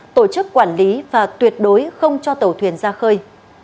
tổ chức quản lý và tuyệt đối không cho tàu thuyền ra khơi